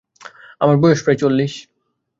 আমার বয়স প্রায় চল্লিশ।